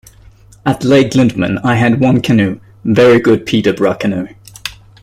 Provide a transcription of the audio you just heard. At Lake Linderman I had one canoe, very good Peterborough canoe.